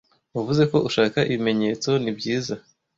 Wavuze ko ushaka ibimenyetso. Nibyiza.